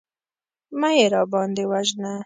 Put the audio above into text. مه يې راباندې وژنه.